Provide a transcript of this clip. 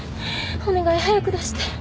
お願い早く出して。